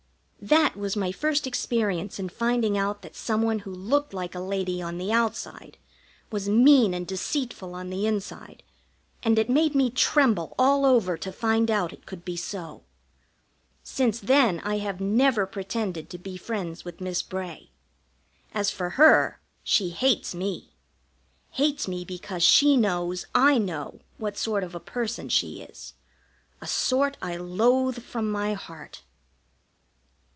That was my first experience in finding out that some one who looked like a lady on the outside was mean and deceitful on the inside, and it made me tremble all over to find it could be so. Since then I have never pretended to be friends with Miss Bray. As for her, she hates me hates me because she knows I know what sort of a person she is, a sort I loathe from my heart.